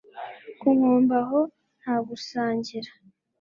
ku nkombe aho nta gusangira